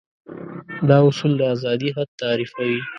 دا اصول د ازادي حد تعريفوي.